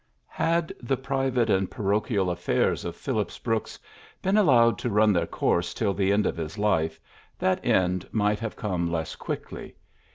Had the private and i)arocliial aifairs of Phillips Brooks been allowed to run their course till the end of his life, that end might have come less quickly.